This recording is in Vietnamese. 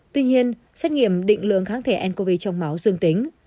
tuy nhiên xét nghiệm định lượng kháng thể ncov trong máu dương tính